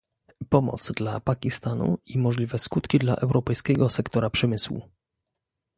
Pomoc dla Pakistanu i możliwe skutki dla europejskiego sektora przemysłu